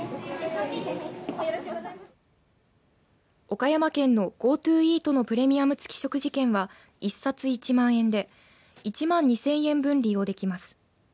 岡山県のＧｏＴｏイートのプレミアム付き食事券は１冊１万円で１万２０００円分利用できます。